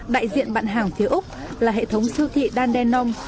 đại diện bạn hàng phía úc là hệ thống siêu thị dan denong